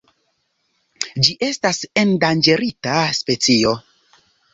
Ĝi estas endanĝerita specio.